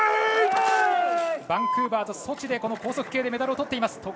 バンクーバーとソチでこの高速系でメダルをとっています。